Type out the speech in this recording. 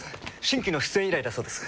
新規の出演依頼だそうです。